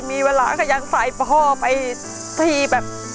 มีเวลาก็ยังใส่พ่อไปที่แบบ